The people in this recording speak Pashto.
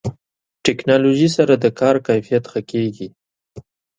ټکنالوژي سره د کار کیفیت ښه کېږي.